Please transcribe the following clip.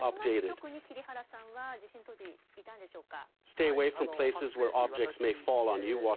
この輪島支局に、桐原さんは地震当時いたんでしょうか。